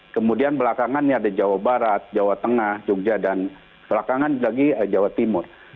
kemudian belakangan ini ada jawa barat jawa tengah jogja dan belakangan lagi jawa timur